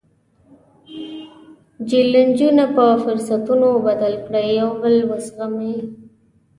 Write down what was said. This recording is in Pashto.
جیلنجونه په فرصتونو بدل کړئ، یو بل وزغمئ.